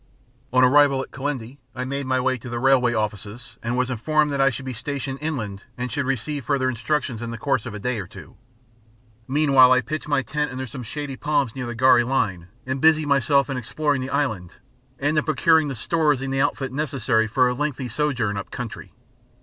On arrival at Kilindini, I made my way to the railway Offices and was informed that I should be stationed inland and should receive further instructions in the course of a day or two. Meanwhile I pitched my tent under some shady palms near the gharri line, and busied myself in exploring the island and in procuring the stores and the outfit necessary for a lengthy sojourn up country.